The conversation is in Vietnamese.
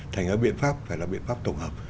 thành các biện pháp phải là biện pháp tổng hợp